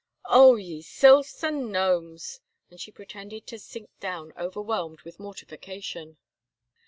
"Oh! ye Sylphs and Gnomes!" and she pretended to sink down overwhelmed with mortification.